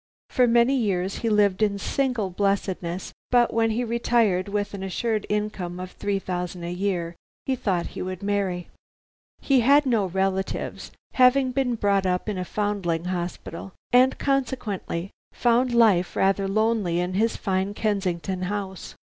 For many years he lived in single blessedness, but when he retired with an assured income of three thousand a year, he thought he would marry. He had no relatives, having been brought up in a Foundling Hospital, and consequently, found life rather lonely in his fine Kensington house.